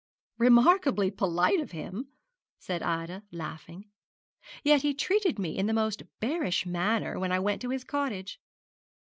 'Remarkably polite of him,' said Ida, laughing; 'yet he treated me in the most bearish manner when I went to his cottage.'